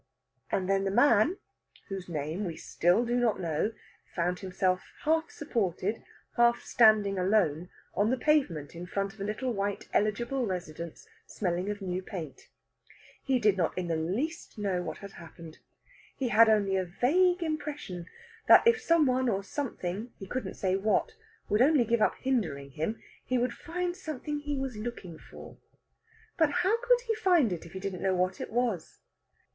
And then the man, whose name we still do not know, found himself half supported, half standing alone, on the pavement in front of a little white eligible residence smelling of new paint. He did not the least know what had happened. He had only a vague impression that if some one or something, he couldn't say what, would only give up hindering him, he would find something he was looking for. But how could he find it if he didn't know what it was?